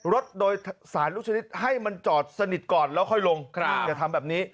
รถโดยสารลูกชนิดให้มันจอดสนิทก่อนแล้วค่อยลงอย่าทำแบบนี้